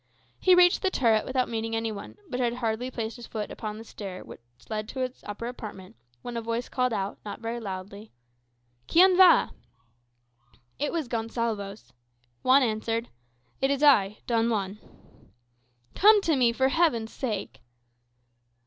He reached the turret without meeting any one, but had hardly placed his foot upon the stair that led to its upper apartment, when a voice called out, not very loudly, "Chien va?" It was Gonsalvo's. Juan answered, "It is I Don Juan." "Come to me, for Heaven's sake!"